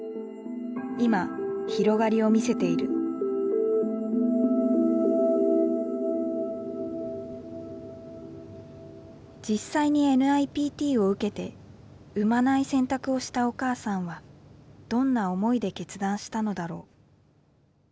今広がりを見せている実際にＮＩＰＴを受けて生まない選択をしたお母さんはどんな思いで決断したのだろう。